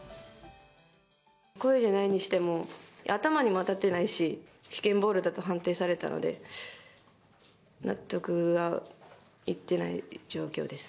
故意じゃないにしても、頭にも当たってないし、危険ボールだと判定されたので、納得がいってない状況です。